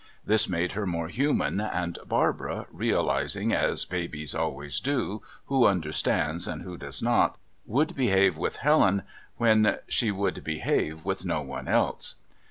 This made her more human, and Barbara, realising as babies always do who understands and who does not, would behave with Helen when she would behave with no one else.